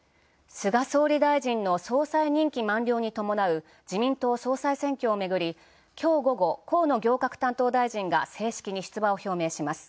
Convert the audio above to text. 菅総理大臣の総裁任期満了に伴う自民党総裁選挙をめぐり今日午後、河野行政改革担当大臣が正式に出馬を表明します。